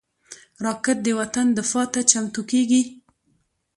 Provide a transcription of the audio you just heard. راکټ د وطن دفاع ته چمتو کېږي